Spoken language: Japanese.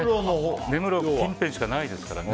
根室近辺しかないですからね。